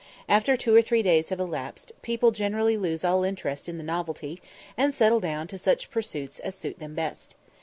After two or three days have elapsed, people generally lose all interest in the novelty, and settle down to such pursuits as suit them best.